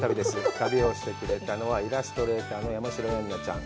旅をしてくれたのはイラストレーターの山代エンナちゃん。